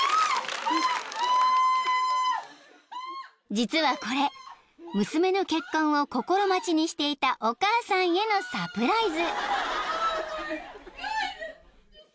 ［実はこれ娘の結婚を心待ちにしていたお母さんへのサプライズ］